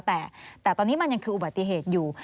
แต่ตอนนี้มันยังคืออุบัติเหตุอยู่